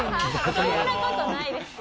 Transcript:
そんなことないですよ。